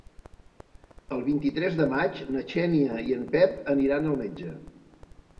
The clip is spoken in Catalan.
El vint-i-tres de maig na Xènia i en Pep aniran al metge.